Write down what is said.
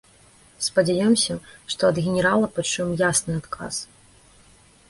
Спадзяёмся, што ад генерала пачуем ясны адказ.